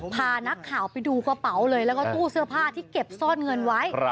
พานักข่าวไปดูกระเป๋าเลยแล้วก็ตู้เสื้อผ้าที่เก็บซ่อนเงินไว้